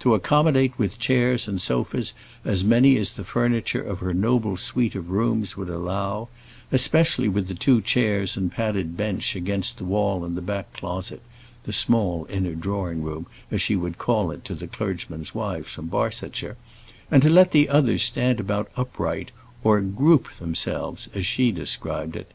To accommodate with chairs and sofas as many as the furniture of her noble suite of rooms would allow, especially with the two chairs and padded bench against the wall in the back closet the small inner drawing room, as she would call it to the clergymen's wives from Barsetshire and to let the others stand about upright, or "group themselves," as she described it.